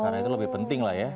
karena itu lebih penting lah ya